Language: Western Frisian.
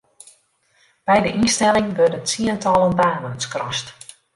By de ynstelling wurde tsientallen banen skrast.